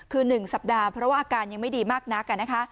คือ๑สัปดาห์เพราะว่าอาการยังไม่ดีมากนัก